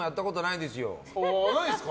ないですか？